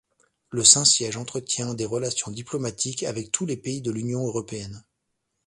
Le Saint-Siège entretient des relations diplomatiques avec tous les pays de l'Union européenne.